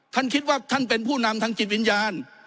ท่านคิดว่าท่านเป็นผู้นำทางจิตวิญญาณ